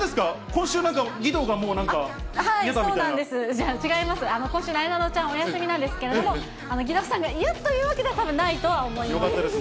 今週、なえなのちゃんお休みなんですけど、義堂さんが嫌というわけではないとは思います。